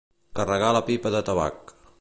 Carregar la pipa de tabac.